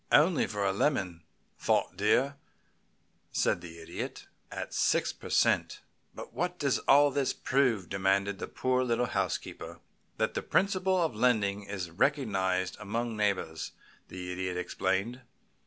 "Only for a lemon, though, dear," said the Idiot, "at six per cent." "But what does all this prove?" demanded the poor little housekeeper. "That the principle of lending is recognized among neighbors," the Idiot explained.